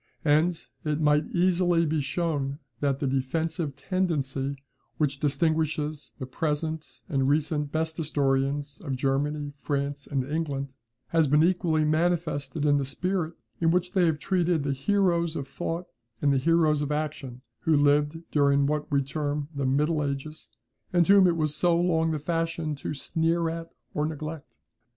And it might be easily shown that the defensive tendency which distinguishes the present and recent best historians of Germany, France, and England, has been equally manifested in the spirit in which they have treated the heroes of thought and the heroes of action who lived during what we term the Middle Ages and whom it was so long the fashion to sneer at or neglect.